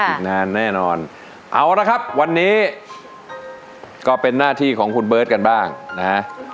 อีกนานแน่นอนเอาละครับวันนี้ก็เป็นหน้าที่ของคุณเบิร์ตกันบ้างนะฮะ